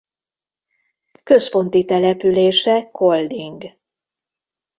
Központi települése Kolding.